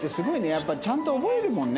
やっぱちゃんと覚えるもんね。